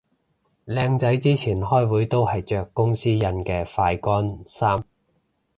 靚仔之前開會都係着公司印嘅快乾衫